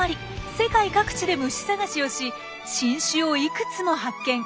世界各地で虫探しをし新種をいくつも発見。